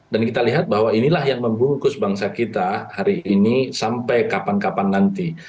dan kita lihat bahwa inilah yang membungkus bangsa kita hari ini sampai kapan kapan nanti